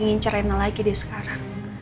ngincer rena lagi deh sekarang